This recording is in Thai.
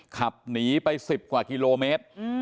ขับหนีไปสิบกว่าคริโลเมตร